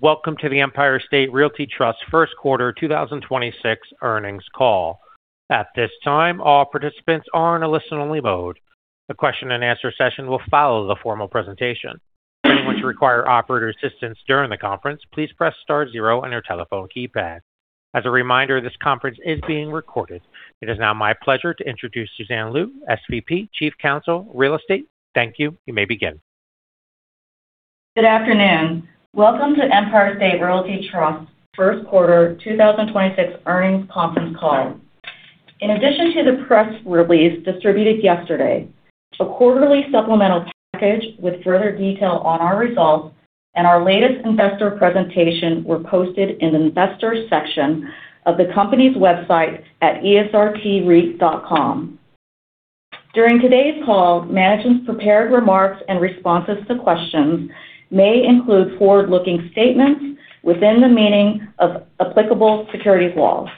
Welcome to the Empire State Realty Trust first quarter 2026 earnings call. At this time, all participants are on a listen-only mode, a question-and-answer session will follow the formal presentation. If you require operator assistance during the call please press star zero on your telephone keypad. As a reminder this conference is being recorded. It is now my pleasure to introduce Suzanne Lieu, SVP, Chief Counsel, Real Estate. Thank you. You may begin. Good afternoon. Welcome to Empire State Realty Trust first quarter 2026 earnings conference call. In addition to the press release distributed yesterday, a quarterly supplemental package with further detail on our results and our latest investor presentation were posted in the Investors section of the company's website at esrtreit.com. During today's call, management's prepared remarks and responses to questions may include forward-looking statements within the meaning of applicable securities laws.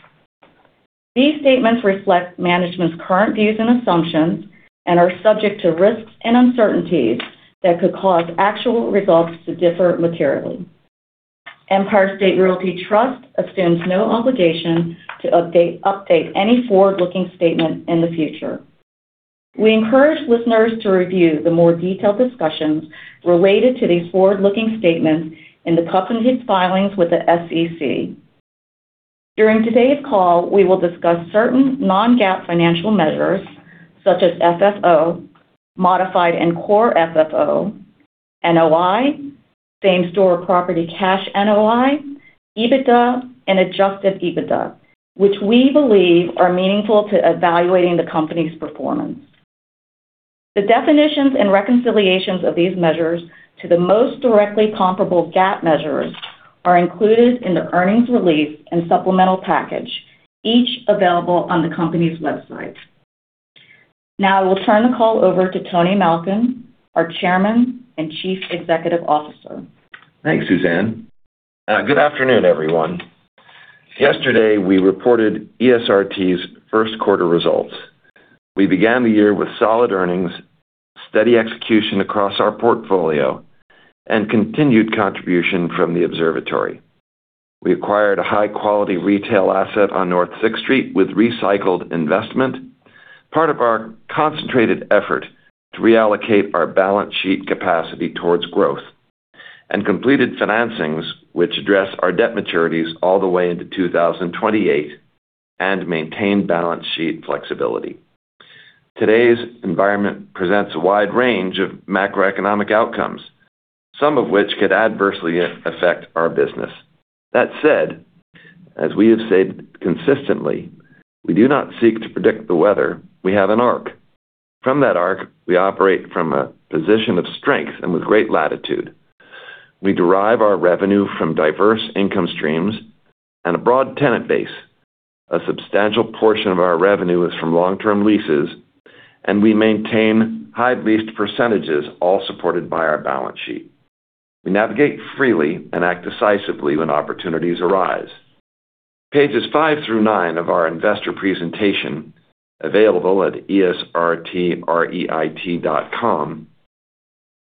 These statements reflect management's current views and assumptions and are subject to risks and uncertainties that could cause actual results to differ materially. Empire State Realty Trust assumes no obligation to update any forward-looking statement in the future. We encourage listeners to review the more detailed discussions related to these forward-looking statements in the company's filings with the SEC. During today's call, we will discuss certain non-GAAP financial measures such as FFO, modified and Core FFO, NOI, same-store property cash NOI, EBITDA, and adjusted EBITDA, which we believe are meaningful to evaluating the company's performance. The definitions and reconciliations of these measures to the most directly comparable GAAP measures are included in the earnings release and supplemental package, each available on the company's website. Now I will turn the call over to Tony Malkin, our Chairman and Chief Executive Officer. Thanks, Suzanne. Good afternoon, everyone. Yesterday, we reported ESRT's first quarter results. We began the year with solid earnings, steady execution across our portfolio, and continued contribution from the observatory. We acquired a high-quality retail asset on N 6th St with recycled investment, part of our concentrated effort to reallocate our balance sheet capacity towards growth and completed financings which address our debt maturities all the way into 2028 and maintain balance sheet flexibility. Today's environment presents a wide range of macroeconomic outcomes, some of which could adversely affect our business. That said, as we have said consistently, we do not seek to predict the weather. We have an arc. From that arc, we operate from a position of strength and with great latitude. We derive our revenue from diverse income streams and a broad tenant base. A substantial portion of our revenue is from long-term leases, and we maintain high leased percentages, all supported by our balance sheet. We navigate freely and act decisively when opportunities arise. Pages 5 through 9 of our investor presentation, available at esrtreit.com,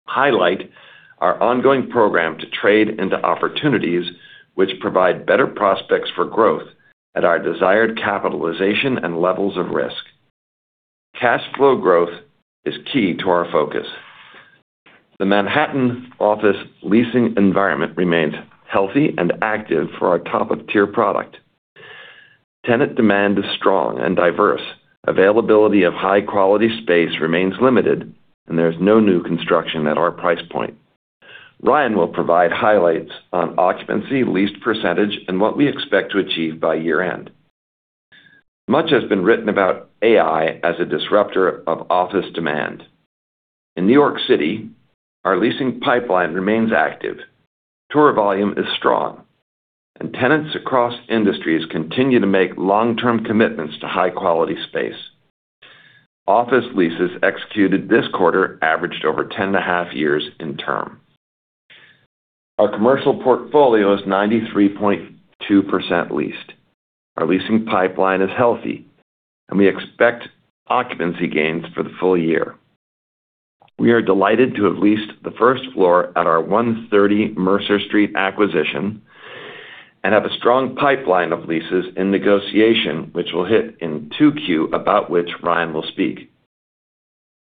highlight our ongoing program to trade into opportunities which provide better prospects for growth at our desired capitalization and levels of risk. Cash flow growth is key to our focus. The Manhattan office leasing environment remains healthy and active for our top-of-tier product. Tenant demand is strong and diverse. Availability of high-quality space remains limited, and there's no new construction at our price point. Ryan will provide highlights on occupancy, leased percentage, and what we expect to achieve by year-end. Much has been written about AI as a disruptor of office demand. In New York City, our leasing pipeline remains active. Tour volume is strong, and tenants across industries continue to make long-term commitments to high-quality space. Office leases executed this quarter averaged over 10.5 years in term. Our commercial portfolio is 93.2% leased. Our leasing pipeline is healthy, and we expect occupancy gains for the full year. We are delighted to have leased the first floor at our 130 Mercer Street acquisition and have a strong pipeline of leases in negotiation, which we'll hit in 2Q, about which Ryan will speak.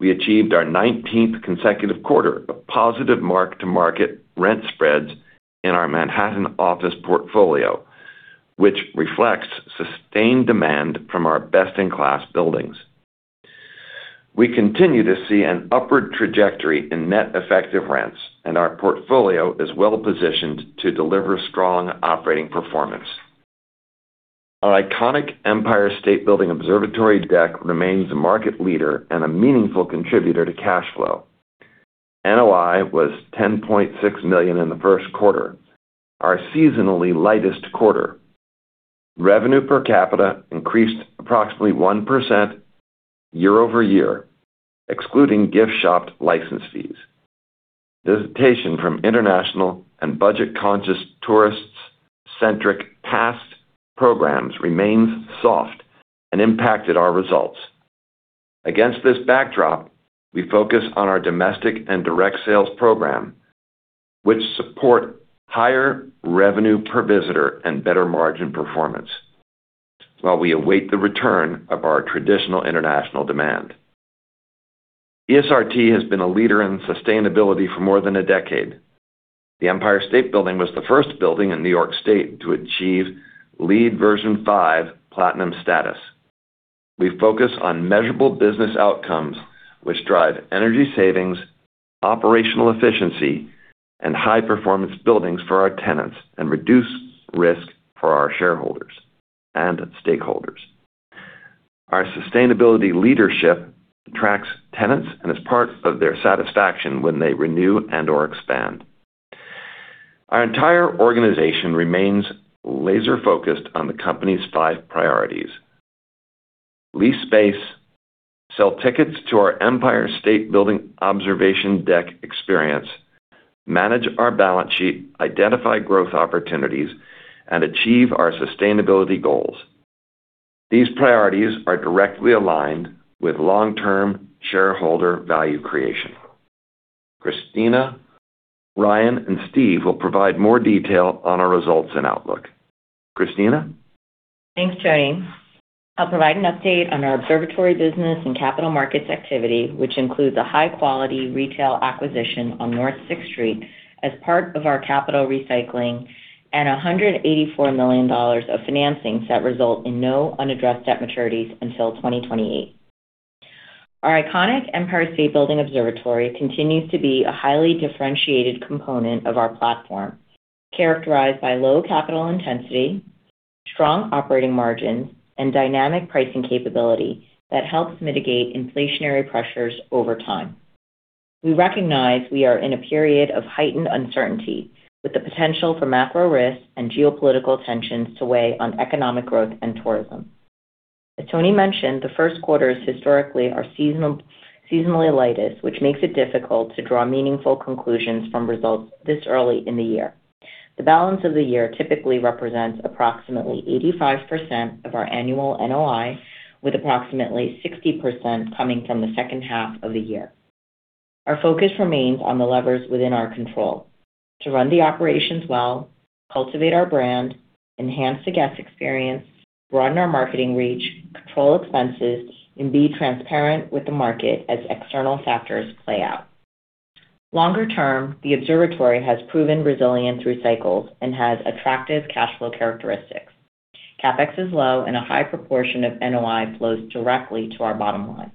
We achieved our 19th consecutive quarter of positive mark-to-market rent spreads in our Manhattan office portfolio, which reflects sustained demand from our best-in-class buildings. We continue to see an upward trajectory in net effective rents, and our portfolio is well-positioned to deliver strong operating performance. Our iconic Empire State Building observatory deck remains a market leader and a meaningful contributor to cash flow. NOI was $10.6 million in the first quarter, our seasonally lightest quarter. Revenue per capita increased approximately 1% year-over-year, excluding gift shop license fees. Visitation from international and budget-conscious tourists-centric pass programs remains soft and impacted our results. Against this backdrop, we focus on our domestic and direct sales program, which support higher revenue per visitor and better margin performance while we await the return of our traditional international demand. ESRT has been a leader in sustainability for more than a decade. The Empire State Building was the first building in New York State to achieve LEED v5 platinum status. We focus on measurable business outcomes which drive energy savings, operational efficiency, and high performance buildings for our tenants and reduce risk for our shareholders and stakeholders. Our sustainability leadership attracts tenants and is part of their satisfaction when they renew and/or expand. Our entire organization remains laser-focused on the company's five priorities: lease space, sell tickets to our Empire State Building Observation Deck experience, manage our balance sheet, identify growth opportunities, and achieve our sustainability goals. These priorities are directly aligned with long-term shareholder value creation. Christina, Ryan, and Steve will provide more detail on our results and outlook. Christina. Thanks, Tony. I'll provide an update on our observatory business and capital markets activity, which includes a high-quality retail acquisition on N 6th St as part of our capital recycling and $184 million of financings that result in no unaddressed debt maturities until 2028. Our iconic Empire State Building Observatory continues to be a highly differentiated component of our platform, characterized by low capital intensity, strong operating margins, and dynamic pricing capability that helps mitigate inflationary pressures over time. We recognize we are in a period of heightened uncertainty with the potential for macro risks and geopolitical tensions to weigh on economic growth and tourism. As Tony mentioned, the first quarters historically are seasonally lightest, which makes it difficult to draw meaningful conclusions from results this early in the year. The balance of the year typically represents approximately 85% of our annual NOI, with approximately 60% coming from the second half of the year. Our focus remains on the levers within our control to run the operations well, cultivate our brand, enhance the guest experience, broaden our marketing reach, control expenses, and be transparent with the market as external factors play out. Longer term, the observatory has proven resilient through cycles and has attractive cash flow characteristics. CapEx is low and a high proportion of NOI flows directly to our bottom line.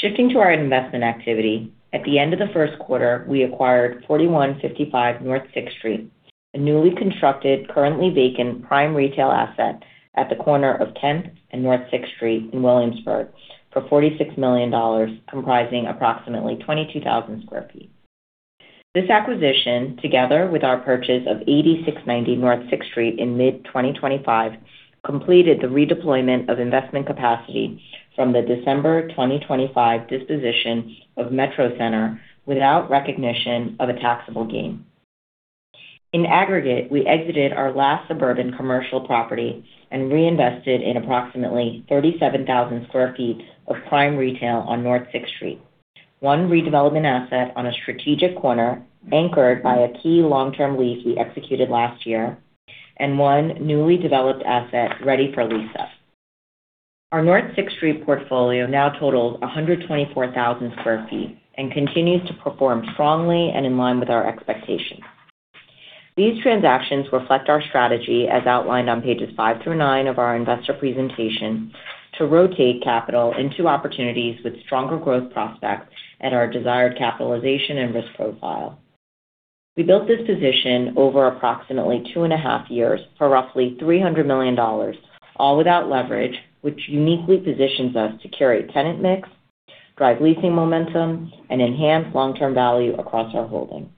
Shifting to our investment activity, at the end of the first quarter, we acquired 4155 N 6th St, a newly constructed, currently vacant prime retail asset at the corner of 10th and N 6th St in Williamsburg for $46 million, comprising approximately 22,000 sq ft. This acquisition, together with our purchase of 8690 N 6th St in mid-2025, completed the redeployment of investment capacity from the December 2025 disposition of Metro Center without recognition of a taxable gain. In aggregate, we exited our last suburban commercial property and reinvested in approximately 37,000 sq ft of prime retail on N 6th St. One redevelopment asset on a strategic corner anchored by a key long-term lease we executed last year, and one newly developed asset ready for lease-up. Our N 6th St portfolio now totals 124,000 sq ft and continues to perform strongly and in line with our expectations. These transactions reflect our strategy as outlined on pages five through nine of our investor presentation to rotate capital into opportunities with stronger growth prospects at our desired capitalization and risk profile. We built this position over approximately 2.5 Years for roughly $300 million, all without leverage, which uniquely positions us to curate tenant mix, drive leasing momentum, and enhance long-term value across our holdings.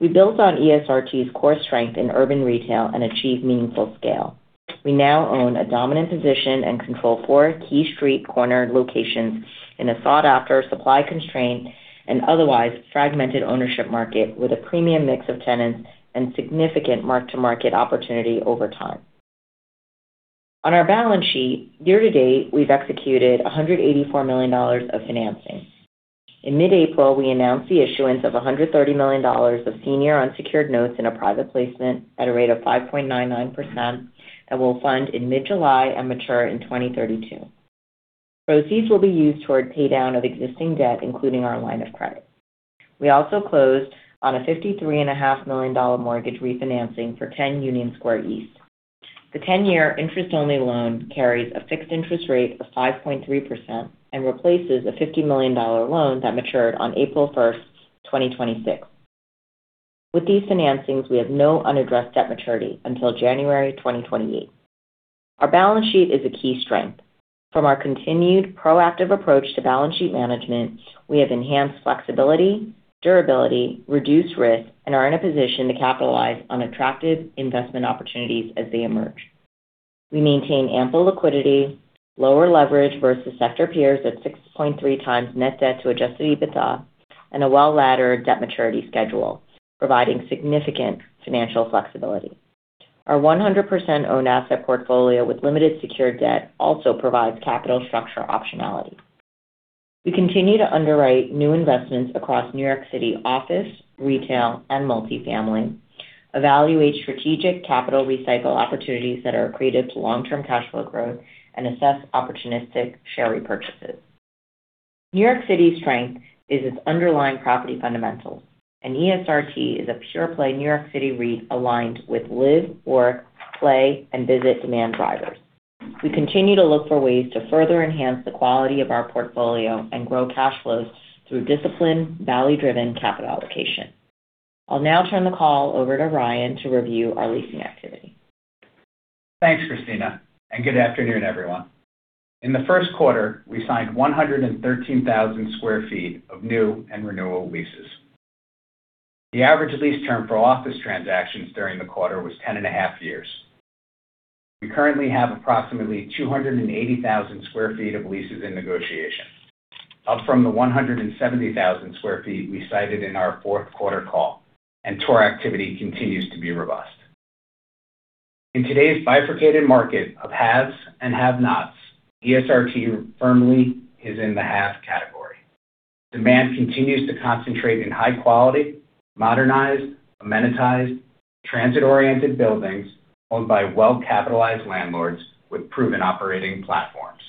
We built on ESRT's core strength in urban retail and achieved meaningful scale. We now own a dominant position and control four key street corner locations in a sought-after, supply-constrained, and otherwise fragmented ownership market with a premium mix of tenants and significant mark-to-market opportunity over time. On our balance sheet, year to date, we've executed $184 million of financing. In mid-April, we announced the issuance of $130 million of senior unsecured notes in a private placement at a rate of 5.99% that will fund in mid-July and mature in 2032. Proceeds will be used toward pay down of existing debt, including our line of credit. We also closed on a $53.5 million mortgage refinancing for 10 Union Square East. The 10-year interest-only loan carries a fixed interest rate of 5.3% and replaces a $50 million loan that matured on April 1st, 2026. With these financings, we have no unaddressed debt maturity until January 2028. Our balance sheet is a key strength. From our continued proactive approach to balance sheet management, we have enhanced flexibility, durability, reduced risk, and are in a position to capitalize on attractive investment opportunities as they emerge. We maintain ample liquidity, lower leverage versus sector peers at 6.3 times net debt to adjusted EBITDA, and a well-laddered debt maturity schedule, providing significant financial flexibility. Our 100% owned asset portfolio with limited secured debt also provides capital structure optionality. We continue to underwrite new investments across New York City office, retail, and multifamily, evaluate strategic capital recycle opportunities that are accretive to long-term cash flow growth, and assess opportunistic share repurchases. New York City's strength is its underlying property fundamentals, and ESRT is a pure-play New York City REIT aligned with live, work, play, and visit demand drivers. We continue to look for ways to further enhance the quality of our portfolio and grow cash flows through disciplined, value-driven capital allocation. I'll now turn the call over to Ryan to review our leasing activity. Thanks, Christina, and good afternoon, everyone. In the first quarter, we signed 113,000 sq ft of new and renewal leases. The average lease term for office transactions during the quarter was 10.5 years. We currently have approximately 280,000 sq ft of leases in negotiation, up from the 170,000 sq ft we cited in our fourth quarter call, and tour activity continues to be robust. In today's bifurcated market of haves and have-nots, ESRT firmly is in the have category. Demand continues to concentrate in high quality, modernized, amenitized, transit-oriented buildings owned by well-capitalized landlords with proven operating platforms.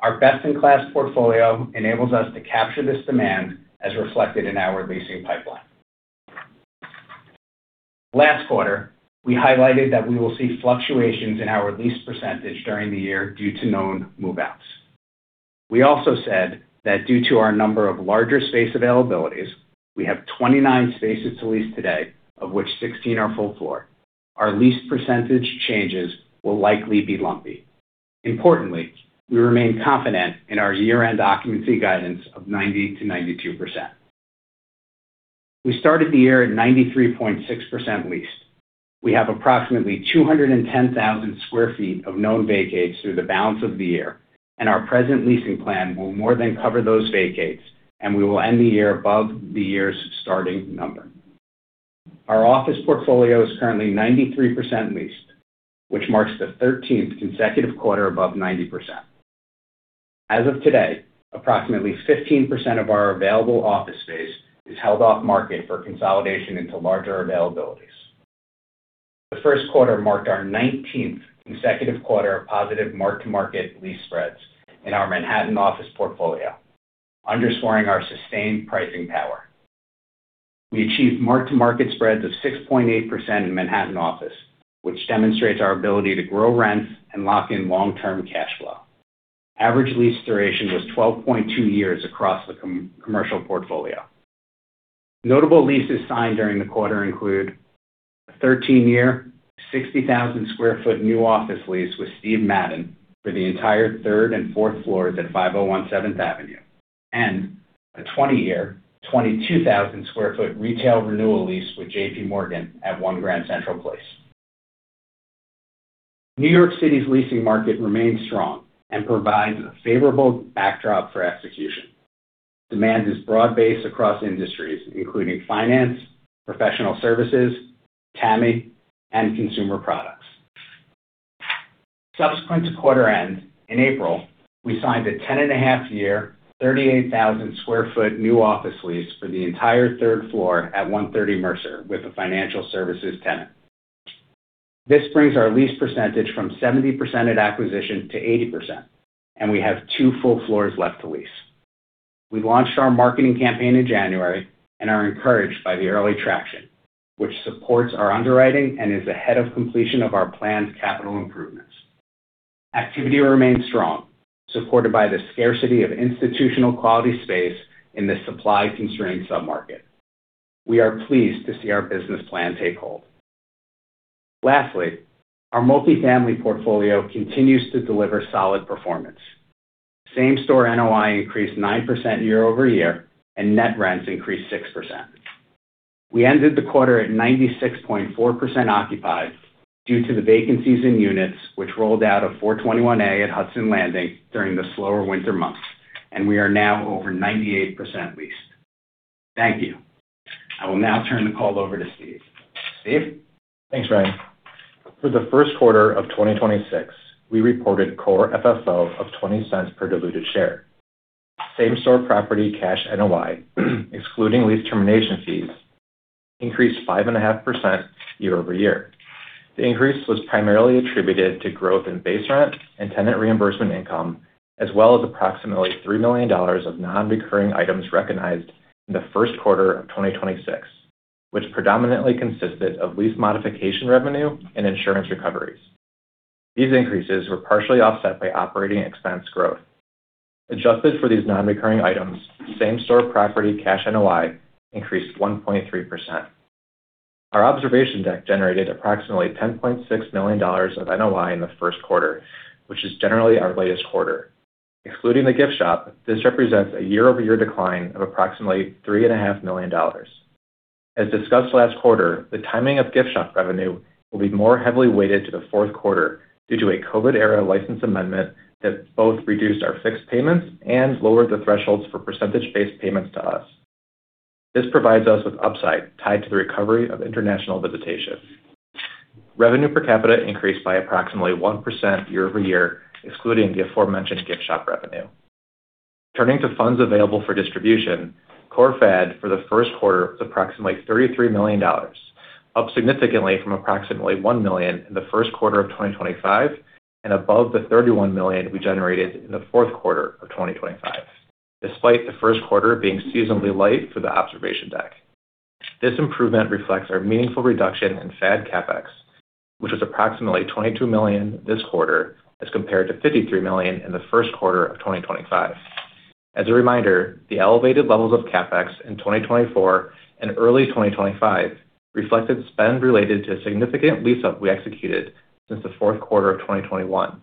Our best-in-class portfolio enables us to capture this demand, as reflected in our leasing pipeline. Last quarter, we highlighted that we will see fluctuations in our lease percentage during the year due to known move-outs. We also said that due to our number of larger space availabilities, we have 29 spaces to lease today, of which 16 are full floor. Our lease percentage changes will likely be lumpy. Importantly, we remain confident in our year-end occupancy guidance of 90%-92%. We started the year at 93.6% leased. We have approximately 210,000 sq ft of known vacates through the balance of the year, and our present leasing plan will more than cover those vacates, and we will end the year above the year's starting number. Our office portfolio is currently 93% leased, which marks the 13th consecutive quarter above 90%. As of today, approximately 15% of our available office space is held off market for consolidation into larger availabilities. The first quarter marked our 19th consecutive quarter of positive mark-to-market lease spreads in our Manhattan office portfolio, underscoring our sustained pricing power. We achieved mark-to-market spreads of 6.8% in Manhattan office, which demonstrates our ability to grow rents and lock in long-term cash flow. Average lease duration was 12.2 years across the commercial portfolio. Notable leases signed during the quarter include a 13-year, 60,000 sq ft new office lease with Steve Madden for the entire third and fourth floors at 501 Seventh Avenue, and a 20-year, 22,000 sq ft retail renewal lease with JPMorgan at One Grand Central Place. New York City's leasing market remains strong and provides a favorable backdrop for execution. Demand is broad-based across industries, including finance, professional services, TAMI, and consumer products. Subsequent to quarter end, in April, we signed a 10.5 Year, 38,000 sq ft new office lease for the entire third floor at 130 Mercer with a financial services tenant. This brings our lease percentage from 70% at acquisition to 80%, and we have two full floors left to lease. We launched our marketing campaign in January and are encouraged by the early traction, which supports our underwriting and is ahead of completion of our planned capital improvements. Activity remains strong, supported by the scarcity of institutional quality space in this supply-constrained sub-market. We are pleased to see our business plan take hold. Lastly, our multifamily portfolio continues to deliver solid performance. Same-store NOI increased 9% year-over-year, and net rents increased 6%. We ended the quarter at 96.4% occupied due to the vacancies in units which rolled out of 421 A at Hudson Landing during the slower winter months. We are now over 98% leased. Thank you. I will now turn the call over to Steve. Steve? Thanks, Ryan. For the first quarter of 2026, we reported Core FFO of $0.20 per diluted share. Same-store property cash NOI, excluding lease termination fees, increased 5.5% year-over-year. The increase was primarily attributed to growth in base rent and tenant reimbursement income, as well as approximately $3 million of non-recurring items recognized in the first quarter of 2026, which predominantly consisted of lease modification revenue and insurance recoveries. These increases were partially offset by operating expense growth. Adjusted for these non-recurring items, same-store property cash NOI increased 1.3%. Our observation deck generated approximately $10.6 million of NOI in the first quarter, which is generally our latest quarter. Excluding the gift shop, this represents a year-over-year decline of approximately $3.5 million. As discussed last quarter, the timing of gift shop revenue will be more heavily weighted to the fourth quarter due to a Covid-era license amendment that both reduced our fixed payments and lowered the thresholds for percentage-based payments to us. This provides us with upside tied to the recovery of international visitation. Revenue per capita increased by approximately 1% year-over-year, excluding the aforementioned gift shop revenue. Turning to funds available for distribution, Core FAD for the first quarter was approximately $33 million, up significantly from approximately $1 million in the first quarter of 2025 and above the $31 million we generated in the fourth quarter of 2025, despite the first quarter being seasonally light for the observation deck. This improvement reflects our meaningful reduction in FAD CapEx, which was approximately $22 million this quarter as compared to $53 million in the first quarter of 2025. As a reminder, the elevated levels of CapEx in 2024 and early 2025 reflected spend related to a significant lease-up we executed since the fourth quarter of 2021,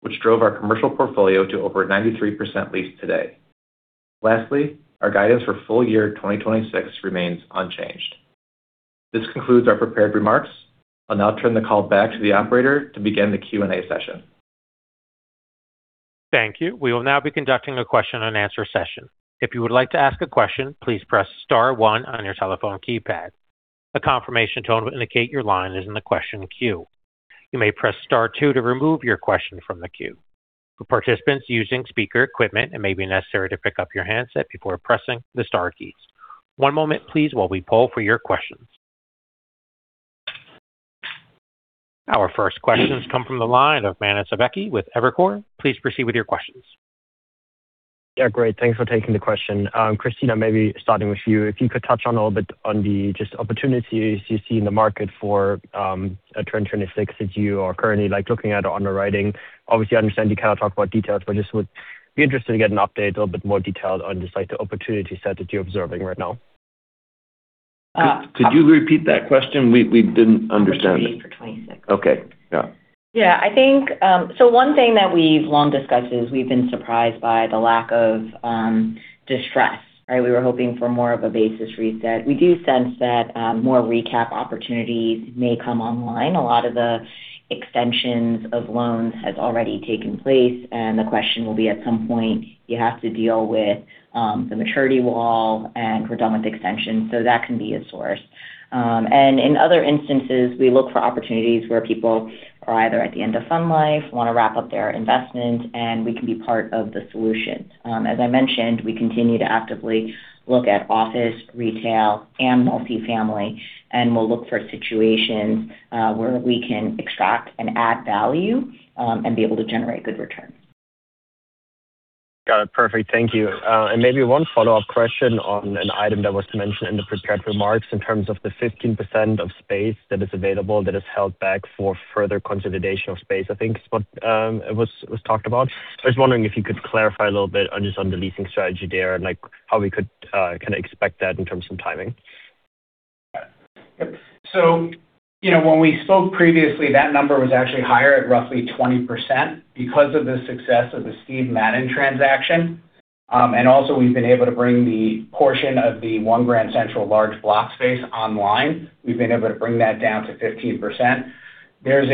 which drove our commercial portfolio to over 93% leased today. Lastly, our guidance for full year 2026 remains unchanged. This concludes our prepared remarks. I'll now turn the call back to the operator to begin the Q&A session. Thank you. We will now begin conducting the question-and-answer session. If you would like to ask a question please press star one on your telephone keypad. A confirmation tone will indicate your line is in the question queue. You may press star two to remove your question from the queue. For participants using speaker equipment it may be necessary to pick up your handset before pressing the star key. One moment please while we poll for your questions. Our first questions come from the line of Manasseh Ebeki with Evercore. Please proceed with your questions. Yeah, great. Thanks for taking the question. Christina, maybe starting with you. If you could touch on a little bit on the just opportunities you see in the market for 2026 that you are currently like looking at underwriting. Obviously, I understand you cannot talk about details, but just would be interested to get an update a little bit more detailed on just like the opportunity set that you're observing right now. Could you repeat that question? We didn't understand. Opportunities for 2026. Okay. Yeah. Yeah. I think one thing that we've long discussed is we've been surprised by the lack of distress. Right? We were hoping for more of a basis reset. We do sense that more recap opportunities may come online. A lot of the extensions of loans has already taken place, the question will be at some point, you have to deal with the maturity wall, and we're done with extensions, that can be a source. In other instances, we look for opportunities where people are either at the end of fund life, wanna wrap up their investment, and we can be part of the solution. As I mentioned, we continue to actively look at office, retail, and multi-family, we'll look for situations where we can extract and add value, and be able to generate good returns. Got it. Perfect. Thank you. Maybe one follow-up question on an item that was mentioned in the prepared remarks in terms of the 15% of space that is available that is held back for further consolidation of space. I think it's what it was talked about. I was wondering if you could clarify a little bit on just on the leasing strategy there and, like, how we could kind of expect that in terms of timing. you know, when we spoke previously, that number was actually higher at roughly 20%. Because of the success of the Steve Madden transaction, and also we've been able to bring the portion of the One Grand Central large block space online, we've been able to bring that down to 15%. There's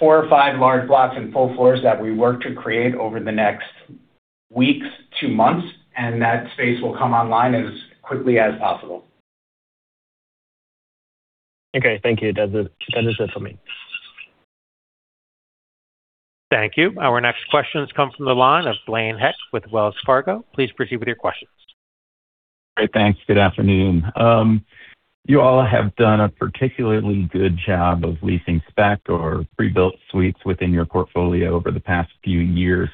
four or five large blocks and full floors that we work to create over the next weeks to months, and that space will come online as quickly as possible. Okay. Thank you. That's it. That is it for me. Thank you. Our next questions come from the line of Blaine Heck with Wells Fargo. Please proceed with your questions. Great. Thanks. Good afternoon. You all have done a particularly good job of leasing spec or pre-built suites within your portfolio over the past few years.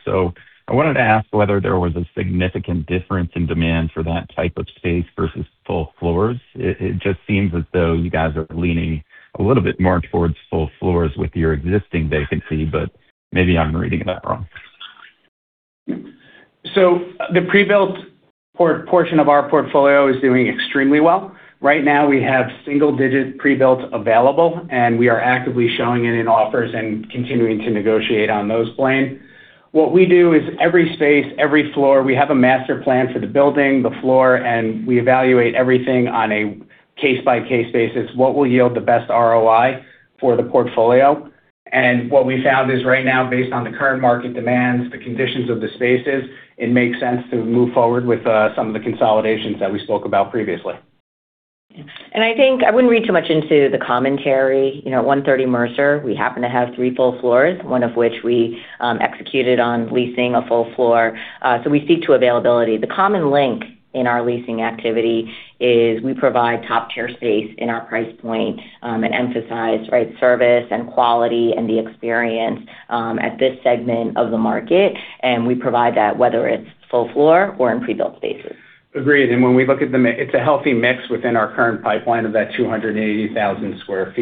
I wanted to ask whether there was a significant difference in demand for that type of space versus full floors. It just seems as though you guys are leaning a little bit more towards full floors with your existing vacancy, but maybe I'm reading that wrong. The pre-built portion of our portfolio is doing extremely well. Right now we have single-digit pre-built available, and we are actively showing it in offers and continuing to negotiate on those, Blaine. What we do is every space, every floor, we have a master plan for the building, the floor, and we evaluate everything on a case-by-case basis, what will yield the best ROI for the portfolio. What we found is right now, based on the current market demands, the conditions of the spaces, it makes sense to move forward with some of the consolidations that we spoke about previously. I think I wouldn't read too much into the commentary. You know, at 130 Mercer, we happen to have three full floors, one of which we executed on leasing a full floor, so we see to availability. The common link in our leasing activity is we provide top-tier space in our price point, and emphasize right service and quality and the experience at this segment of the market, and we provide that whether it's full floor or in pre-built spaces. Agreed. When we look at the mix it's a healthy mix within our current pipeline of that 280,000 sq ft.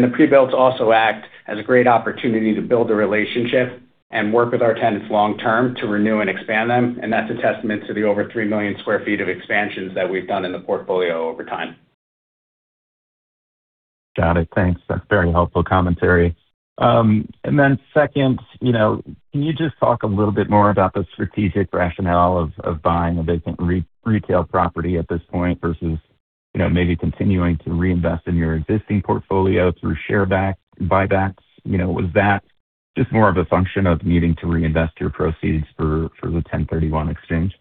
The pre-builts also act as a great opportunity to build a relationship and work with our tenants long term to renew and expand them, and that's a testament to the over 3 million sq ft of expansions that we've done in the portfolio over time. Got it. Thanks. That's very helpful commentary. Then second, you know, can you just talk a little bit more about the strategic rationale of buying a vacant retail property at this point versus, you know, maybe continuing to reinvest in your existing portfolio through share buybacks, you know, was that just more of a function of needing to reinvest your proceeds for the 1031 exchange?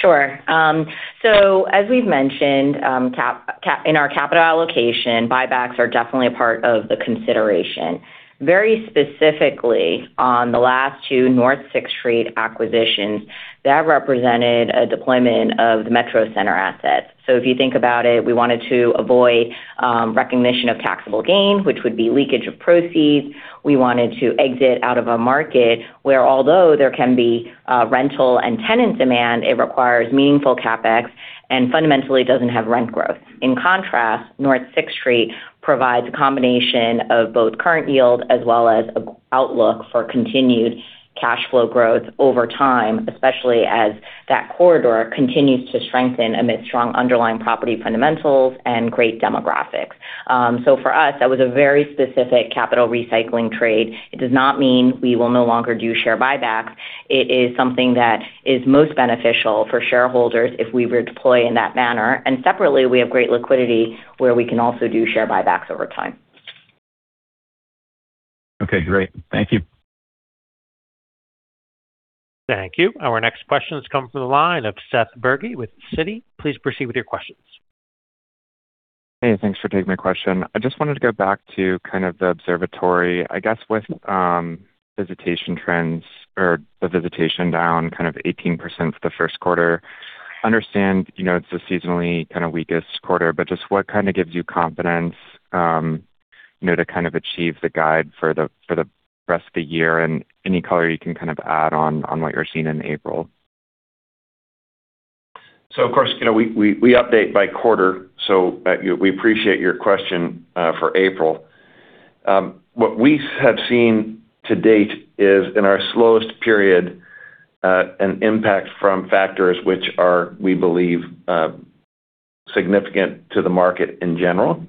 Sure. As we've mentioned, in our capital allocation, buybacks are definitely a part of the consideration. Very specifically on the last two N 6th St acquisitions, that represented a deployment of the Metro Center asset. If you think about it, we wanted to avoid recognition of taxable gain, which would be leakage of proceeds. We wanted to exit out of a market where although there can be rental and tenant demand, it requires meaningful CapEx and fundamentally doesn't have rent growth. In contrast, N 6th St provides a combination of both current yield as well as outlook for continued cash flow growth over time, especially as that corridor continues to strengthen amid strong underlying property fundamentals and great demographics. For us, that was a very specific capital recycling trade. It does not mean we will no longer do share buybacks. It is something that is most beneficial for shareholders if we were to deploy in that manner. Separately, we have great liquidity where we can also do share buybacks over time. Okay, great. Thank you. Thank you. Our next question has come from the line of Seth Bergey with Citi. Please proceed with your questions. Hey, thanks for taking my question. I just wanted to go back to kind of the observatory. I guess with visitation trends or the visitation down kind of 18% for the first quarter, understand, you know, it's a seasonally kind of weakest quarter, but just what kind of gives you confidence, you know, to kind of achieve the guide for the rest of the year and any color you can kind of add on what you're seeing in April. Of course, you know, we update by quarter, we appreciate your question for April. What we have seen to date is in our slowest period, an impact from factors which are, we believe, significant to the market in general.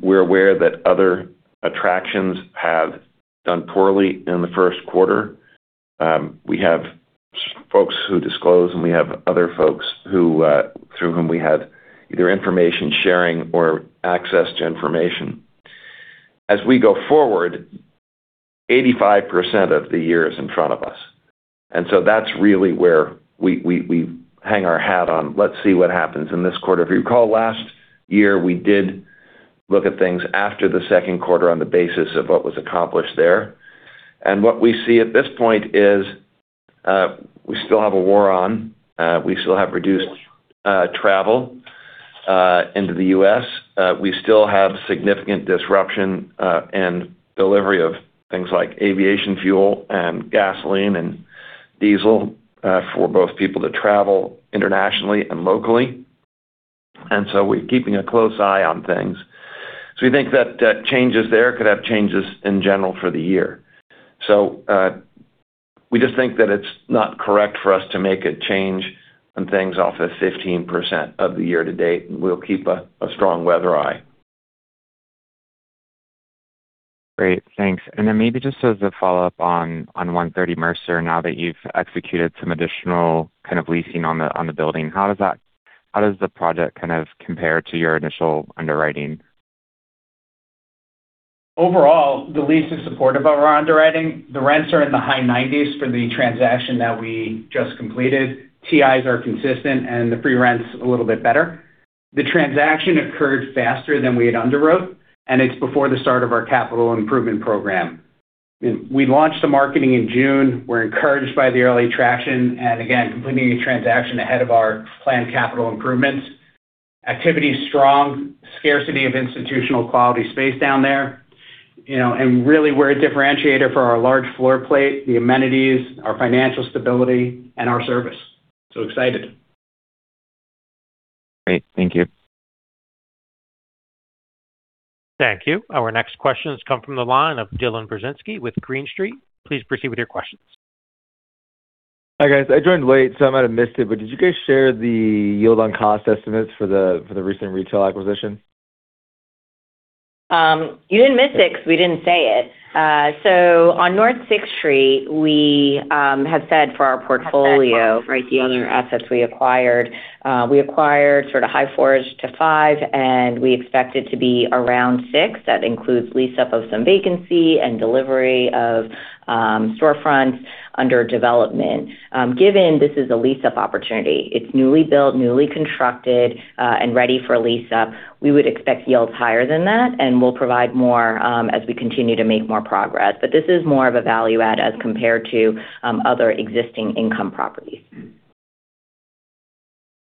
We're aware that other attractions have done poorly in the first quarter. We have folks who disclose, and we have other folks who, through whom we had either information sharing or access to information. As we go forward, 85% of the year is in front of us, that's really where we hang our hat on, let's see what happens in this quarter. If you recall, last year, we did look at things after the second quarter on the basis of what was accomplished there. What we see at this point is, we still have a war on, we still have reduced travel into the U.S. We still have significant disruption and delivery of things like aviation fuel and gasoline and diesel for both people to travel internationally and locally. We're keeping a close eye on things. We think that changes there could have changes in general for the year. We just think that it's not correct for us to make a change on things off of 15% of the year to date. We'll keep a strong weather eye. Great. Thanks. Maybe just as a follow-up on 130 Mercer, now that you've executed some additional kind of leasing on the building, how does the project kind of compare to your initial underwriting? Overall, the lease is supportive of our underwriting. The rents are in the high $90s for the transaction that we just completed. TIs are consistent and the pre-rent's a little bit better. The transaction occurred faster than we had underwrote, and it's before the start of our capital improvement program. We launched the marketing in June. We're encouraged by the early traction and again, completing a transaction ahead of our planned capital improvements. Activity is strong, scarcity of institutional quality space down there. You know, really we're a differentiator for our large floor plate, the amenities, our financial stability and our service. Excited. Great. Thank you. Thank you. Our next question has come from the line of Dylan Burzinski with Green Street. Please proceed with your questions. Hi, guys. I joined late, so I might have missed it, but did you guys share the yield on cost estimates for the recent retail acquisition? You didn't miss it 'cause we didn't say it. On N 6th St, we have said for our portfolio, right, the other assets we acquired, we acquired sort of high fours to five, and we expect it to be around six. That includes lease up of some vacancy and delivery of storefronts under development. Given this is a lease-up opportunity, it's newly built, newly constructed, and ready for lease up, we would expect yields higher than that, and we'll provide more as we continue to make more progress. This is more of a value add as compared to other existing income properties.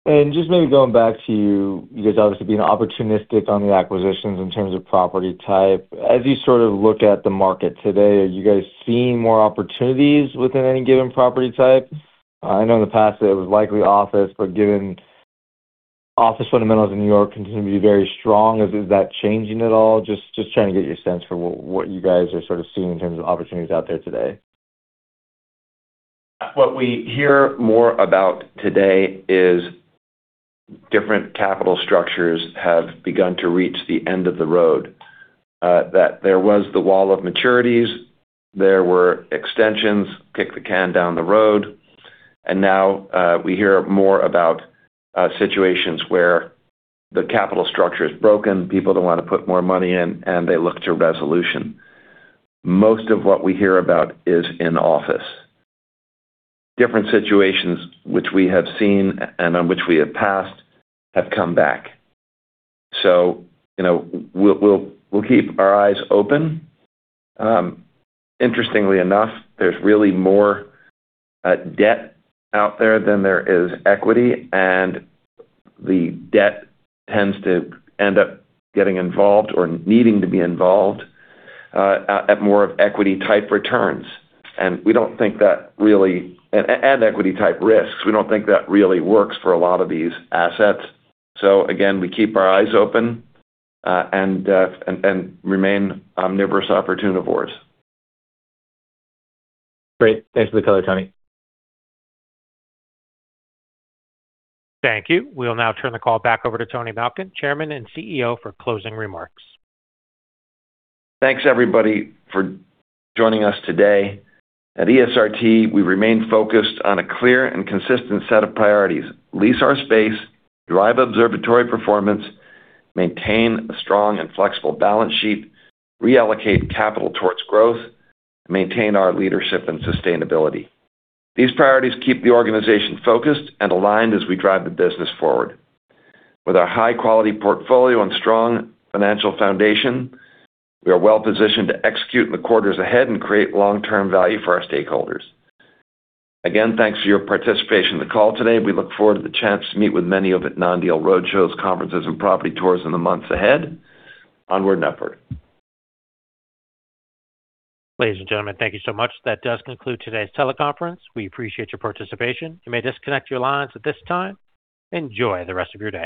Just maybe going back to you guys obviously being opportunistic on the acquisitions in terms of property type. As you sort of look at the market today, are you guys seeing more opportunities within any given property type? I know in the past it was likely office, but given office fundamentals in New York continue to be very strong, is that changing at all? Just trying to get your sense for what you guys are sort of seeing in terms of opportunities out there today. What we hear more about today is different capital structures have begun to reach the end of the road. That there was the wall of maturities. There were extensions, kick the can down the road, and now, we hear more about situations where the capital structure is broken, people don't wanna put more money in, and they look to resolution. Most of what we hear about is in office. Different situations which we have seen and on which we have passed have come back. You know, we'll keep our eyes open. Interestingly enough, there's really more debt out there than there is equity, and the debt tends to end up getting involved or needing to be involved at more of equity type returns. We don't think that really equity type risks. We don't think that really works for a lot of these assets. Again, we keep our eyes open, and remain omnivorous opportunivores. Great. Thanks for the color, Tony. Thank you. We'll now turn the call back over to Tony Malkin, Chairman and CEO, for closing remarks. Thanks, everybody, for joining us today. At ESRT, we remain focused on a clear and consistent set of priorities. Lease our space, drive observatory performance, maintain a strong and flexible balance sheet, reallocate capital towards growth, maintain our leadership and sustainability. These priorities keep the organization focused and aligned as we drive the business forward. With our high-quality portfolio and strong financial foundation, we are well-positioned to execute in the quarters ahead and create long-term value for our stakeholders. Again, thanks for your participation in the call today. We look forward to the chance to meet with many of you at non-deal road shows, conferences, and property tours in the months ahead. Onward and upward. Ladies and gentlemen, thank you so much. That does conclude today's teleconference. We appreciate your participation. You may disconnect your lines at this time. Enjoy the rest of your day.